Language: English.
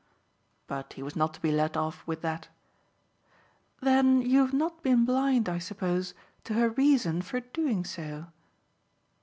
But he was not to be let off with that. "Then you've not been blind, I suppose, to her reason for doing so."